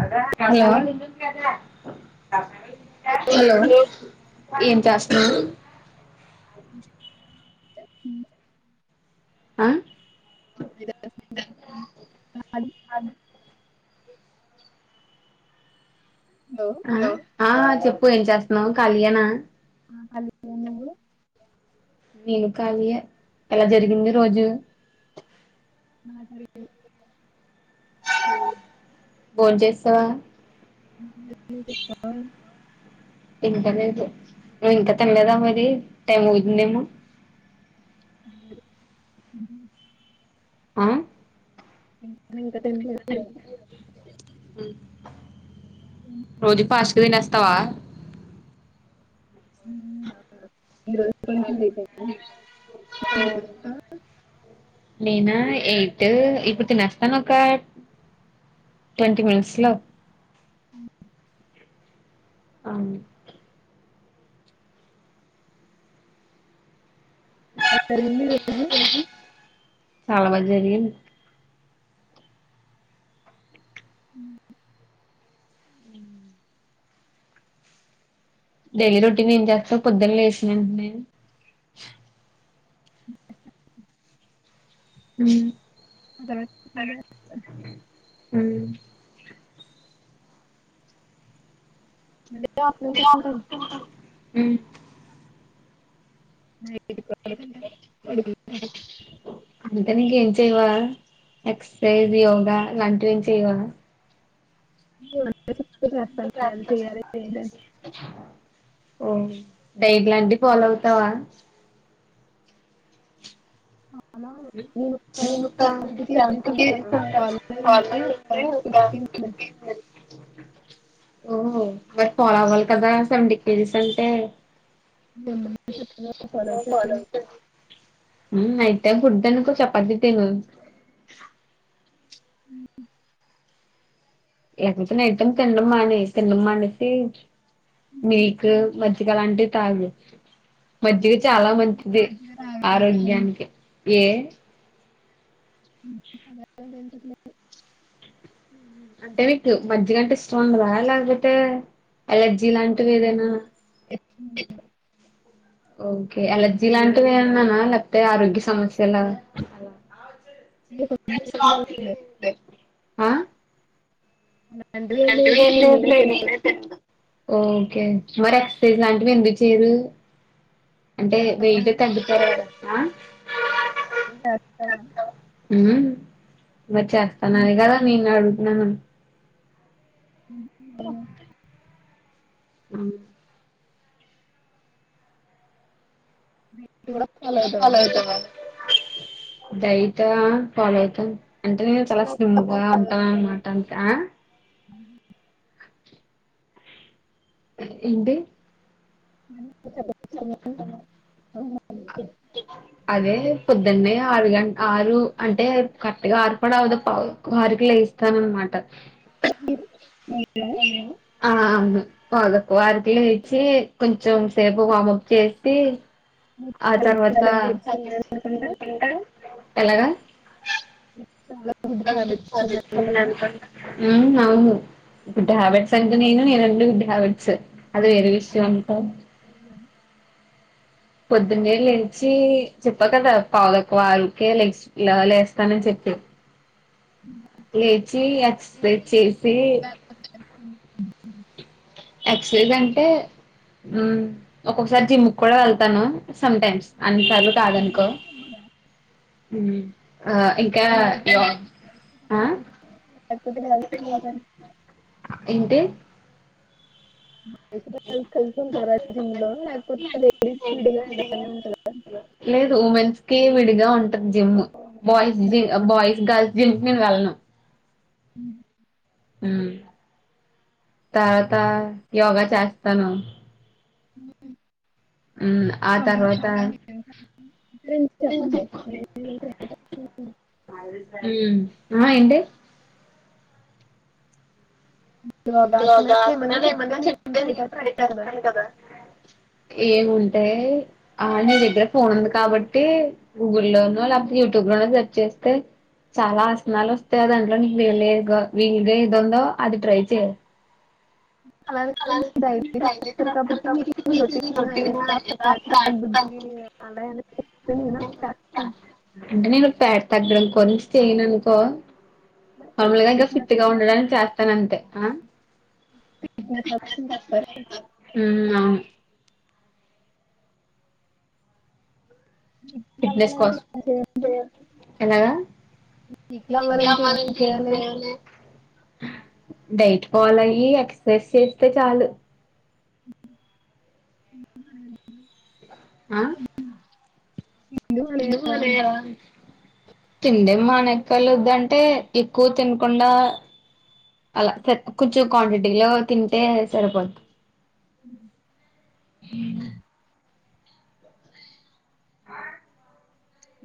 అద అద ఈ హలో ఏం చస్తున్నారు రోజు ఆ ది హలో ఆ ఆ చెప్పు ఏం చేస్తున్నావు ఖాళీయేనా హలో నువ్వు నేను ఖాళీయే ఎలా జరిగింది రోజు [unintelligible] బోంజేసవా చెక్క [unintelligible] ఇంకా తినలేదా నువ్వు ఇంకా తినలేదా మరి టైం అవుతుందేమో [unintelligible] ఆ ఇ ఏమో లే హు రోజు ఫస్ట్ గా తినేస్తావా [unintelligible] కొంచెం లేట్ అయింది ననా ఏ ఇప్పుడు దాకా నిన్నా ఏటై ఇప్పుడు తినస్తాను అక్కాయ్ ట్వంటీ మినిట్స్ లో అవును జరిగింది ఈ రోజు చాలా మంది జరిగింది ఉ డైలీ రొటీన్ ఏం చేస్తా పొద్దున్న లేసివెంటనే ఉ వాకింగ్ చేస్తాను ఉమ్ [unintelligible] హు నే అంత నీకె చేయవా ఎక్ససైజ యోగా అలాంటివి చేయవా [unintelligible] నీను నేను చేయాలి ఏంటని చేయిస్తాను ఓ డైట్లాంటివి ఫాలో అవుతావా అలా నేను ఒక సెవెంటీకి చేసి శాంతికి ఉంటాను అంట వాళ్ళు అయింది ఒక ఫిఫ్టీన్ ఓహ మరి ఫాలో అవ్వాలి కదా సెవెంటీ కేజీస్ అంటే ఏం చెప్పు కాలజమున్ ఉమ్ అయితే గుడ్డునుకో చపాతి తిను. ఉమ్ ఎంటనే ఐటం తీన్నమ్మానై తెన్నమ్మానేసి మిల్క్ మ అ గా లాంటీ తాగు మజ్జిగ చాలా మంచిది మజ్జిగ తాగను ఆరోగ్యానికి ఏ అ [unintelligible] మ్ అ అంటే మీకు మజ్జిగ అంటే స్పూన్ లా లాగితే అలర్జీ లాంటివి ఏదైనా ఓకే అలర్ ఇలాంటివి అన్నానా లేకపోతే ఆరోగ్య సమస్యలా ఆ అలాంటివి ఏం అంటే లేదు లెద్ లేవే తెలిసి నేనే పేద్ ఓకే మరి ఇలాంటివి ఎందుకు చెయ్యరు అంటే చేస్తావా వేయిటి వ్ కనిపెట్టారే ఆ మ్ టాస్తాగాని ఉమ్ వచ్చేస్తానాయిగ ని నాడు న్నాను ము ము హలో ము కూడా ఫాలో అవుతావా పాల్ తాగుతావా డైట్ ఆ ఫాలో అయితున్న అంటే నేను చాలా అలా స్లిమ్ గా తప్పచ్చు కదా ఉంటాన అనమాట ఆ ఏంటి ము ఉమ్ అదే పొద్దున్నే ఆరు గంట్ ఆరు అంటే కరెక్ట్ గా ఆరు కుడా అవదు పావ్ దక్వఆరు కి లేస్తాఅన మాట మీరా ఆ ఆ అవును పావ్ దక్ వారికిలే ఇచ్చి కొంచెం చు సేపు వామప్ చేసి ఈ ఆ గుడ్ తర్వాత హ్యాబిట్స్ ఉన్నాయి అనుకుంటా ఎలాగా చాలా గుడ్ హ్యాబిట్స్ ఉన్నాయి అనుకుంటా ఉహూ అవును గుడ్ హాబెట్స్ అంటే నేను నేనంటే గుడ్ హాబెట్స్ అది వేరే విషయం అనుకో పొద్దున్నే లేచి చెప్పా కదా పావు తక్కువ ఆరు కే లే లేస్తానని చెప్పి లేదు లేచి ఎక్సర్సైజ్ చేసి ఎక్సర్సైజ్ అంటే ఉమ్ ఒక్కొక్కసారి జిమ్ కి కూడా వెళ్తాను సమ్ టైమ్స్ అన్నిసార్లు కాదనుకో హుమ్మ్ ఆ [inaudible] ఏంటి బాయ్స్ బాయ్స్ కలిసి ఉంటారా జిమ్ లో లేకపోతే లేడీస్ విడిగా ఏదైనా ఉంటారా లేదు ఉమెన్స్ కి విడిగా ఉంటది జిమ్ బాయ్స్ జి బాయ్స్ గర్ల్స్ జిమ్ నేను వెళ్ళను హుమ్ హుమ్మ్ తాత యోగా చేస్తాను ఉ హుమ్ ఆ తర్వాత ఏం చేస్తారు? చెప్పండి హుమ్మ్ నేను చేస్తాను. ఆ ఏంటి యోగాసనాలు ఏమన్నా చెప్తే నేను ట్రై చేస్తాను కదా ఏముంటాయి ఆ నీ దగ్గర ఫోన్ ఉంది కాబట్టి గూగుల్ లోనో లేకపోతే యూట్యూబ్ లోనో సెర్చ్ చేస్తే చాలా ఆసనాలు వస్తాయి దాంట్లో నీకు వీల వీలుగా ఏది ఉందో అది ట్రై చెయ్ అలా అంటారు ఏంటి మీరు డైలీ చేస్తారు కాబట్టి మీకు రొటీన్ గా ఎలా చేస్తారో చెప్తే నేను అలా చేస్తాను వన్స్ చేయననుకో నార్మల్ గా ఇంకా ఫిట్ ఫిట్నెస్ గా ఉండడానికి చేస్తాను అంతే ఫిట్నెస్ చేస్తారు హుమ్మ్ అవును ఇట్లా ఫిట్నెస్ అవ్వాలంటే కోసం ఏం చేయాలి ఎలాగా ఫిట్గా అవ్వాలంటే ఏం చేయాలి డైట్ ఫాలో అయ్యి ఎక్సర్సైజ్ చేస్తే చాలు అ ఇది మన- తిండి మానెయ్యాలా తిండెం మనక్క ఎక్కలొద్దంటే ఎక్కువ తినకుండా అలా కొంచెం క్వాంటిటీ లో తింటే సరిపోద్ది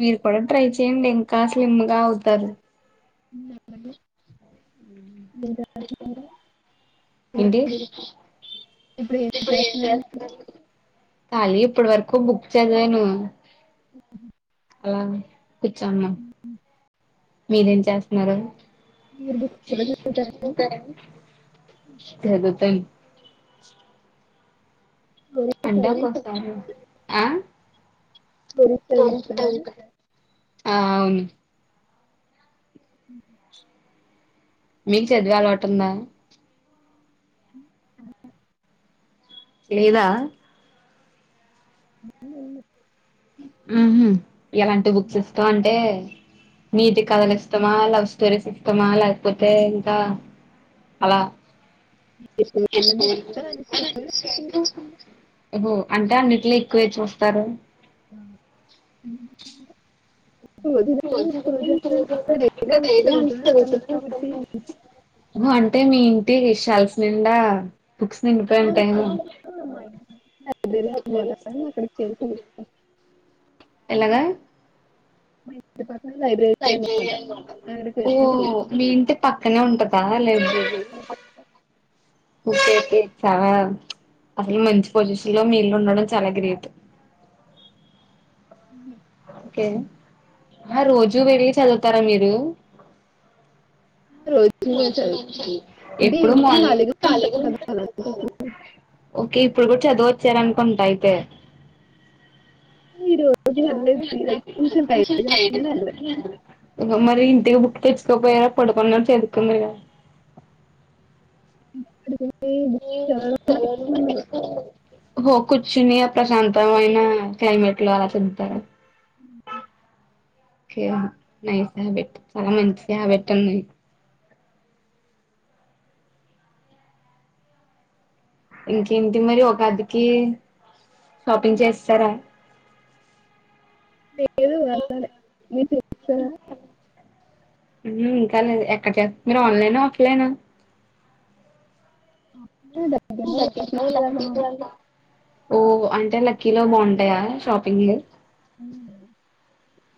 మీరు కూడా ట్రై ఇంకేంటి? చేయండి ఇంకా స్లిమ్ గా అవుతారు నువ్వు ఎక్కడికి మీరు ఏంటి ఇప్పుడు ఇప్పుడు ఏం చేస్తున్నారు కాలి ఇప్పటి వరకు బుక్ చదివాను ఆలనా కుచ్చ మీరేం జేస్తూన్నారు మీరు బుక్స్ కూడా చదువుతారా దుతాయి [inaudible] అంట స్టోరీసా ఆ స్టోరీస్ చదువుతారా ఆ అవును ఉ మీకు చదివే అలవాటుందా అ లేదా అ ముహు ఎలాంటి బుక్స్ ఇస్తాం అంటే నీతి కథలు ఇష్టమా లవ్ స్టోరీస్ ఇష్టమా లేకపోతే ఇంకా అలా ఏ స్టోరీ అని చెప్తారా అని స్టోరీ అంట అన్నిట్లే ఎక్కువే చూస్తారు ఆ ము ఏదైనా చదువుతూనే ఉంటాను కాబట్టి అంటే మీ ఇంటి షెల్ఫ్స్ నిండా బుక్స్ నింపె ఆ, మా ఉంటెను ఇ- ఆ, మా ఇంటి లైబ్రరీ అనమాట అక్కడికి వెళ్ళి చదువుతాను ఎలగ మ ప లైబ్రెరీ ఓ వెళ్ళి చదువుతాను మీ ఇంటి పక్కనే ఉంటంద లైబ్రెరీ సవ అసలు మంచి పొజిషన్ లో మీ ఇల్లు ఉండడం చాలా గ్రేట్ ఉ ఓకే ఆ రోజూ వెళ్ళి చదువుతారా మీరు రోజు నేను చదువుతాను అంటే ఎప్పుడు ఈవినింగ్ మార్ని ఖాళీగా ఉంటాను కదా అలాంటప్పుడు ఓకే ఇప్పుడు కూడా చదువొచ్చారనుకుంట అయితే ఈ రోజు వెళ్ళలేదు ఈ రోజు కొంచెం టైర్డ్గా ఉందని మరి ఇంటికి బుక్ తెచ్చుకోపోయర పడుకు చెదుకుందు అ కుచ్చుని ప్రశాంత మై ఆ క్లైమేట్ లో అలా తింటర నై స ఆ బట్ చాలా మంచి ఆ బెట్టన్నాయి ఇంకేంటి మరి ఒక అదికి షాపింగ్ చేసరా లేదు వెళ్ళాలి మీ సినిమా ఉప్ ఊప్ దగ్గరలో దగ్గరగా ఒ సీట్ లక్ పీపుల్ వెళ్దామని అంట అంటే లక్కీలో బాగుంటాయా షాపింగ్ అఊహ్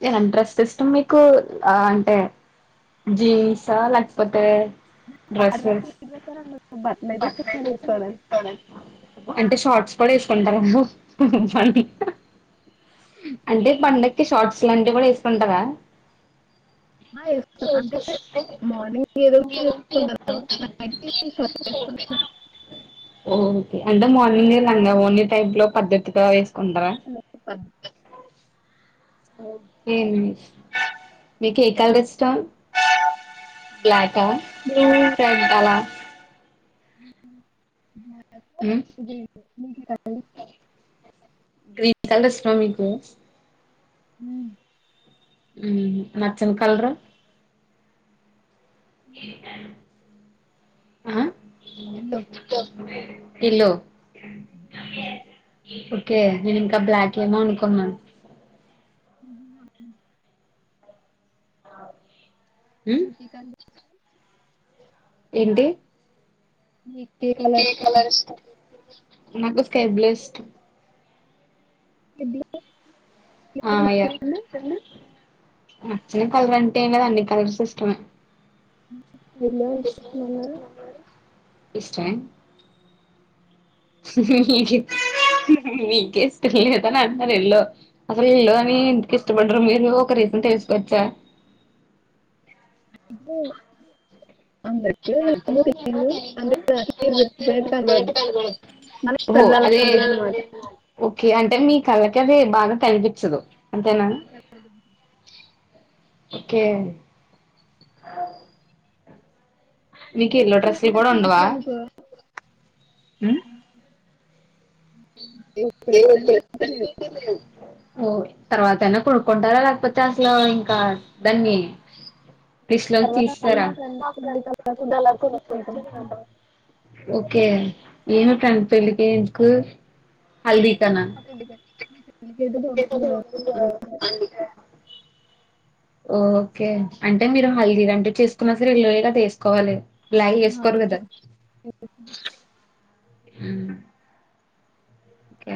ఎంత ఇంట్రెస్ట్ మీకు అంటే జీన్స లేకపోతే ఆడ వరస డ్రెస్సెస్ ఈడావరుస బట్టమ వేసు పడ అంటే షార్ట్స్ కూడా వేసుకుంటారుమ్ ప అంటే పండగకి షార్ట్స్ అట్లటివి కూడా వెసుకుంటారా ఆ, వేసుకో అంటే మార్నింగ్ ఏదో ఒకటి వేసుకుంటాను నైట్ షర్ట్ ఓకే అంటే మార్నింగ్ లంగావోనీ టైప్ లో పద్ధతిగా ఏస్ కుంటా వేసుకోను. ఓకే మీకు ఏ కలర్ ఇష్టం బ్లాకా బ్లూ [unintelligible] అలా [inaudible] మ్ ఇది నీకు కలర్ గ్రీన్ కలర్స్ లో మీ [unintelligible] ఊ ఉమ్ హు నచ్చన్ కల్రూ [inaudible] ఆ ఇల్లు [unintelligible] ఎల్లో ఉ ఓకే నేను ఇంకా బ్లాక్ ఏమో అనుకున్నా [unintelligible] ఉమ్, బ్లూ టీకా [inaudible] ఏంటి ఏ కలర్ ఇష్టం నాకు స్కై బ్లూ ఇష్టం [unintelligible] ఆ నీకు యా నచ్చిన నచ్చిన కలర్ అంటేం గదా అన్ని కలర్స్ ఇష్టమే ఎల్లో ఎందుకిస్టం లేదు ఇష్టం [inaudible] మీకిష్టం లేద అని అంటున్నరు ఎల్లో అసలు ఎల్లోనీ ఎందుకు ఇష్టపడారు మీరు ఒక రీజన్ తెలుసుకోచ్చా బ్ నాకు రిపేర్ కనబడదు మనకి అదే వెళ్ళాలండి అనమాట ఓకే అంటే మీ కళ్ళకి అది బాగా కనిపించదు అంతేనా ఓకే నీకు ఎల్లో డ్రస్లులు కూడా ఉండవా కనిపించదనుకో [inaudible] తిను ప్రస్తుతానికి అయితే లేదు [unintelligible] తర్వాతయినా కొనుక్కుంటారా లేకపోతే అసలు ఇంకా దాన్ని లిస్ట్ లోంచి తర్వాత తీసేసారా మా ఫ్రెండ్ పెళ్ళికి అలా కొనుక్కోవచ్చని అనుకుంటున్నాను ఓకే ఏమి ఫ్రెండ్ పెళ్ళికి నీకు నాకు తెలీదండి [unintelligible] ఓకే అంటే మీరు హల్దీ అంటూ చేసుకున్న సరే [unintelligible] రెగ్యులర్ గా ఏసుకోవాలి ఇలాగే ఏసుకోరు కదా హ్మ్ ఓకే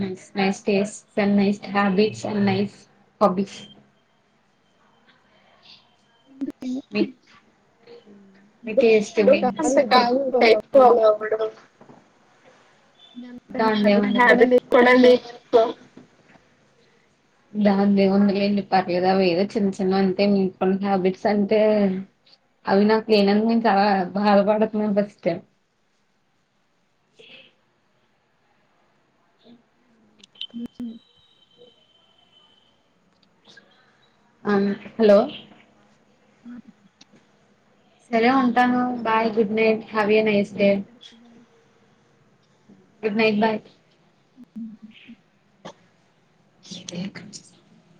నైస్ నైస్ టేస్ట్ తనది హ్యాబిట్స్ అండ్ నైస్ హాబీస్ అ మీ మీ ఏదో టేస్ట్ అంత కాదు డైట్ ఫాలో అవ్వడం అంత దాని హ్యాబిట్స్ కూడా దేముంది లేవు అనుకో దానిదేముంది లెండి పర్లేదు అవి ఏదో చిన్న చిన్న అంతే మీకున్న హ్యాబిట్స్ అంటే అవి నాకు లేనందుకు నేను చాలా బాధపడుతున్నాను ఫస్ట్ అ హలో అ సరే ఉంటాను bye good night have a nice day good night bye a [inaudible]